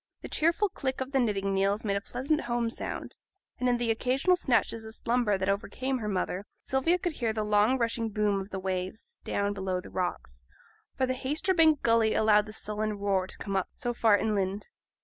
The cheerful click of the knitting needles made a pleasant home sound; and in the occasional snatches of slumber that overcame her mother, Sylvia could hear the long rushing boom of the waves, down below the rocks, for the Haytersbank gulley allowed the sullen roar to come up so far inland.